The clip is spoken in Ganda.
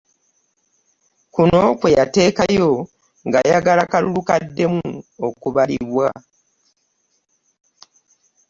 Kuno kwe yateekayo ng'ayagala akalulu kaddemu okubalibwa.